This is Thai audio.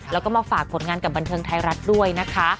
แล้วก็มาฝากผลงานกับบันเทิงไทยรัฐด้วยนะคะ